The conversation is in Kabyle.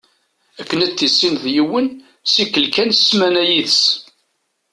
Akken ad tissineḍ yiwen, ssikel kan ssmana yid-s.